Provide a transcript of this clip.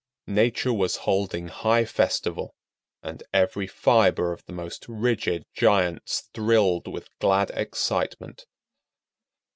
Nature was holding high festival, and every fiber of the most rigid giants thrilled with glad excitement.